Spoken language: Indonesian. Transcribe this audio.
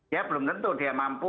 ya belum tentu dia mampu